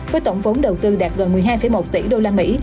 với tổng vốn đầu tư đạt gần một mươi hai một tỷ usd